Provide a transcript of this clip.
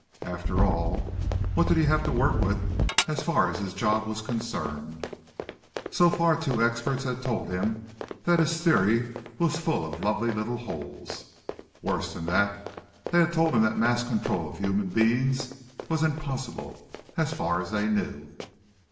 After all, what did he have to work with, as far as his job was concerned? So far, two experts had told him that his theory was full of lovely little holes. Worse than that, they had told him that mass control of human beings was impossible, as far as they knew.